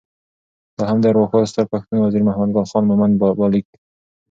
دا هم د ارواښاد ستر پښتون وزیر محمد ګل خان مومند بابا لیک: